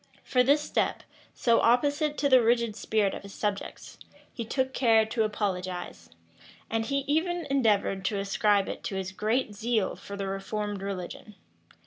For this step, so opposite to the rigid spirit of his subjects, he took care to apologize; and he even endeavored to ascribe it to his great zeal for the reformed religion.